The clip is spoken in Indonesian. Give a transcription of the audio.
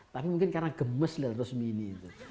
tapi mungkin karena gemes lihat rusmini